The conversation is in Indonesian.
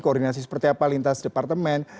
koordinasi seperti apa lintas departemen